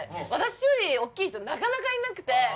私よりおっきい人なかなかいなくて。